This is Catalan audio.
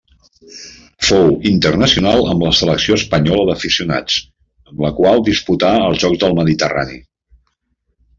Fou internacional amb la selecció espanyola d'aficionats, amb la qual disputà els Jocs del Mediterrani.